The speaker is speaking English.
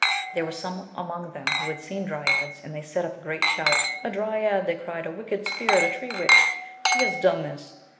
There were some among them who had seen dryads and they set up a great shout. "A dryad!" they cried, "a wick ed spirit, a tree witch! She has done this